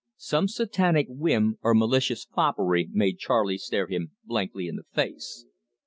Some satanic whim or malicious foppery made Charley stare him blankly in the face.